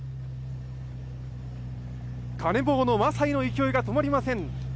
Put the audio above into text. カネボウのマサイの勢いが止まりません。